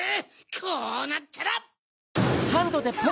こうなったら！